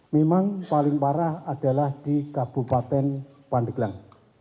memang paling parah adalah di kabupaten pandeglang